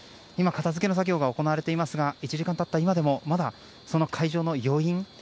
今、片付けの作業が行われていますが１時間経った今でもまだその会場の余韻